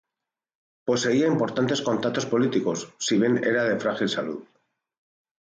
Poseía importantes contactos políticos, si bien era de frágil salud.